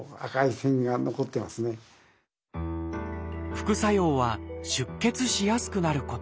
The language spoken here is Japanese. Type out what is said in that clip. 副作用は出血しやすくなること。